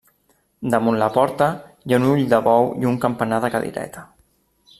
Damunt la porta hi ha un ull de bou i un campanar de cadireta.